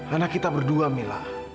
anak kita berdua mila